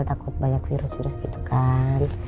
takut banyak virus virus gitu kan